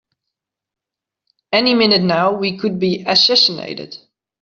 Any minute now we could be assassinated!